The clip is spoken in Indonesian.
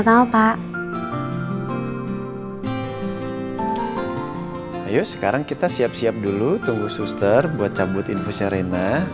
sampai jumpa di video selanjutnya